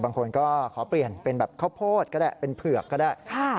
บางคนก็ขอเปลี่ยนเป็นแบบข้าวโพดก็ได้เป็นเผือกก็ได้